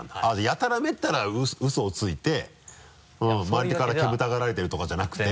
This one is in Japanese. やたらめったらウソをついて周りから煙たがられてるとかじゃなくて。